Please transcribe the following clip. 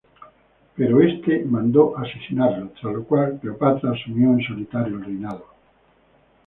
Pero este mandó asesinarlo, tras lo cual Cleopatra asumió en solitario el reinado.